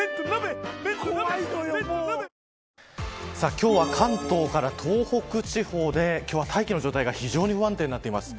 今日は関東から東北地方で大気の状態が非常に不安定になっています。